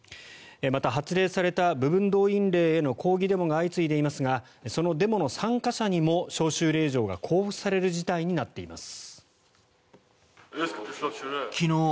また、発令された部分動員令への抗議デモが相次いでいますがそのデモの参加者にも招集令状が交付される事態になっています。